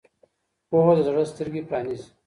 پوهه د زړه سترګې پرانیزي.